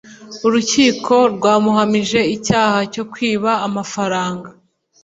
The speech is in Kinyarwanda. Urukiko rwamuhamije icyaha cyo kwiba amafaranga.